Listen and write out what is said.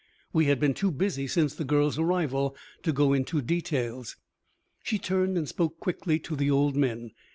We had been too busy since the girl's arrival to go into details. She turned and spoke quickly to the old men.